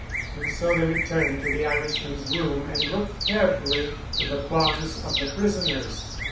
And so they returned to the Irishman's room and looked carefully to the bonds of the prisoners.